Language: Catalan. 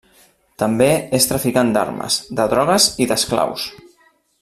També és traficant d'armes, de drogues i d'esclaus.